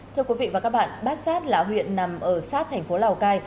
thưa quý vị và các bạn bát sát là huyện nằm ở sát thành phố lào cai